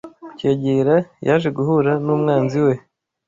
kucyegera, yaje guhura n’umwanzi we